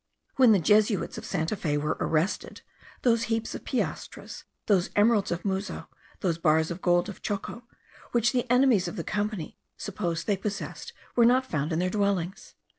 When the Jesuits of Santa Fe were arrested, those heaps of piastres, those emeralds of Muzo, those bars of gold of Choco, which the enemies of the company supposed they possessed, were not found in their dwellings.